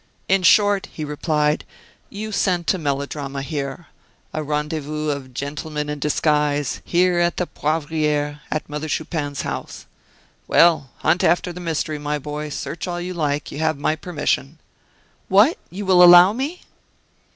"In short," he replied, "you scent a melodrama here a rendezvous of gentlemen in disguise, here at the Poivriere, at Mother Chupin's house. Well, hunt after the mystery, my boy; search all you like, you have my permission." "What! you will allow me?"